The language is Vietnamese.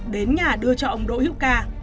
đến nhà đưa cho ông đỗ hữu ca